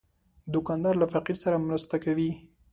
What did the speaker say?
دوکاندار له فقیر سره مرسته کوي.